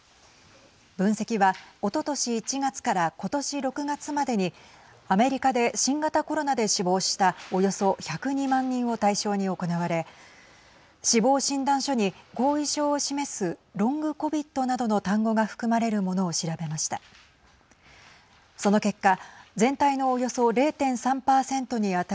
分析は、おととし１月から今年６月までにアメリカで新型コロナで死亡したおよそ１０２万人を対象に行われ死亡診断書に後遺症を示すロング・コビットなどの単語が含まれるものを調べました。